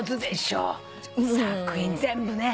作品全部ね。